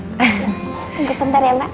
tunggu bentar ya mbak